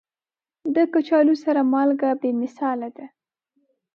د کچالو سره مالګه بې مثاله ده.